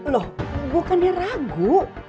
loh bukannya ragu